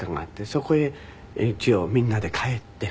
そこへ一応みんなで帰って。